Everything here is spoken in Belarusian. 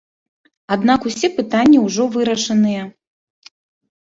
Аднак усе пытанні ўжо вырашаныя.